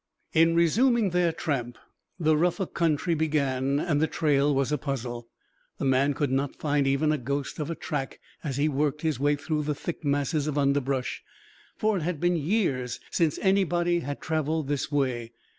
In resuming their tramp, the rougher country began and the trail was a puzzle. The man could not find even a ghost of a track, as he worked his way through the thick masses of underbrush, for it had been years since anybody had traveled this way.